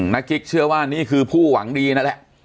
กิ๊กเชื่อว่านี่คือผู้หวังดีนั่นแหละ